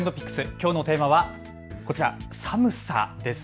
きょうのテーマはこちら寒さです。